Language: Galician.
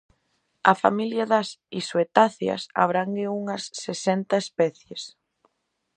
A familia das isoetáceas abrangue unhas sesenta especies.